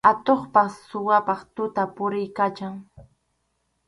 Atuqpas suwapas tuta puriykachan.